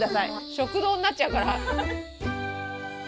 食堂になっちゃうから。